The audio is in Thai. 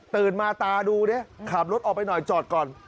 ตื่นมาตาดูขาบรถออกไปหน่อยจอดก่อน